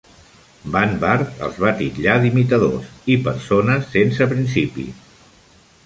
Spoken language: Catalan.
Banvard els va titllar d'imitadors i "persones sense principis".